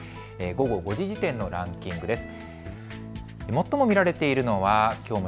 午後５時時点のランキングです。